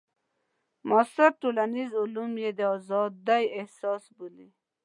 معاصر ټولنیز علوم یې د ازادۍ اساس بولي.